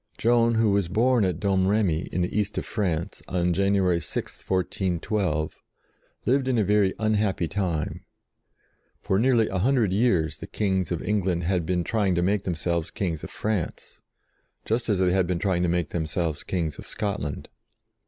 Joan, who was born at Domremy, in the east of France, on January 6, 1412, lived in a very unhappy time. For nearly a hundred years the kings of England had been trying to make themselves kings of France, just as they had been trying to make themselves kings of Scotland.